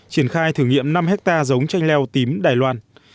triển khai thử nghiệm năm hectare giống chanh leo tím đài loan